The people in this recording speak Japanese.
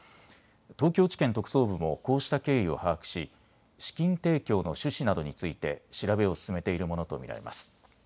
東京地検特捜部もこうした経緯を把握し、資金提供の趣旨などについて調べを進めているものと見られます。